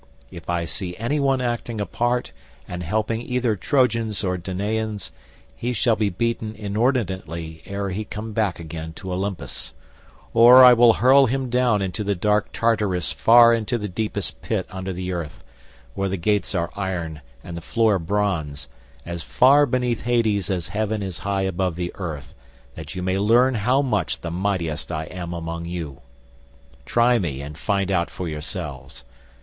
If I see anyone acting apart and helping either Trojans or Danaans, he shall be beaten inordinately ere he come back again to Olympus; or I will hurl him down into dark Tartarus far into the deepest pit under the earth, where the gates are iron and the floor bronze, as far beneath Hades as heaven is high above the earth, that you may learn how much the mightiest I am among you. Try me and find out for yourselves.